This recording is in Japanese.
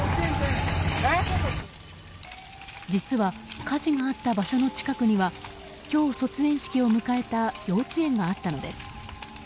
実は火事があった場所の近くには今日、卒園式を迎えた幼稚園があったのです。